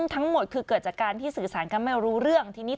ทั้งหมดคือเกิดจากการที่สื่อสารกันไม่รู้เรื่องทีนี้